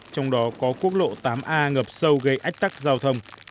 trong đó có quốc lộ tám a ngập sâu gây ách tắc giao thông